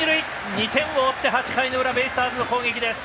２点を追って８回の裏ベイスターズの攻撃。